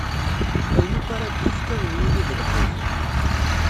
Ayen akk ara d-ifk, ad wen-yili d lqut.